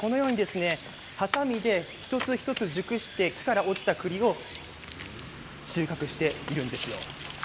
はさみで一つ一つ熟してから落ちた栗を収穫しているんですよ。